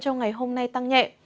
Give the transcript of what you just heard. trong ngày hôm nay tăng nhẹ